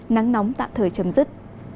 nắng nóng tạm thời chấm dứt